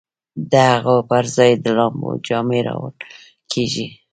د هغو پر ځای د لامبو جامې راوړل کیږي